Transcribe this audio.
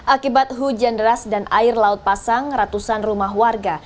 akibat hujan deras dan air laut pasang ratusan rumah warga